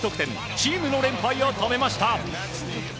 チームの連敗を止めました。